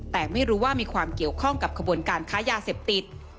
แต่ไม่รู้ว่ามีความเกี่ยวข้องกับขบวนการค้ายาเสพติด